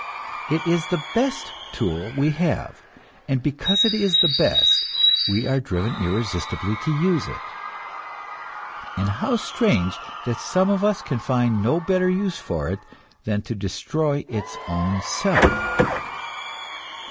It is the best tool we have, and because it is the best, we are driven irresistibly to use it. And how strange that some of us can find no better use for it than to destroy its own self!